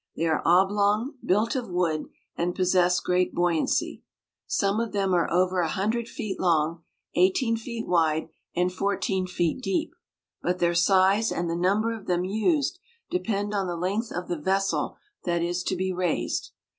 They are oblong, built of wood, and possess great buoyancy. Some of them are over a hundred feet long, eighteen feet wide, and fourteen feet deep; but their size, and the number of them used, depend on the length of the vessel that is to be raised.